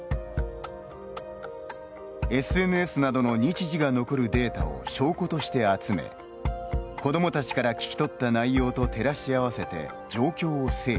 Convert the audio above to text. ＳＮＳなどの日時が残るデータを証拠として集め子どもたちから聞き取った内容と照らし合わせて、状況を整理。